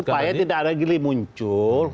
bukan supaya tidak ada yang muncul